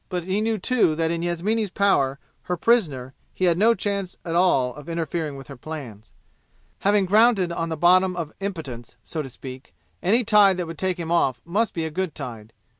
But he knew too that in Yasmini's power, her prisoner, he had no chance at all of interfering with her plans. Having grounded on the bottom of impotence, so to speak, any tide that would take him off must be a good tide.